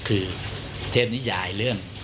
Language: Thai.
คือเทพนิยายเรื่อง